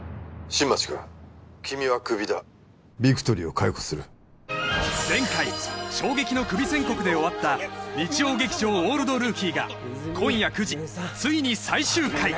☎新町君君はクビだビクトリーを解雇する前回衝撃のクビ宣告で終わった日曜劇場「オールドルーキー」が今夜９時ついに最終回！